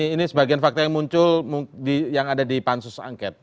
ini sebagian fakta yang muncul yang ada di pansus angket